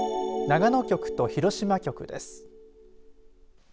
長野局と広島局です。